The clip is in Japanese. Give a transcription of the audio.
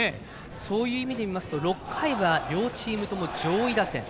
そういう意味で言いますと６回は両チームとも上位打線。